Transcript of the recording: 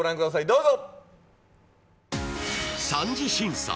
どうぞ。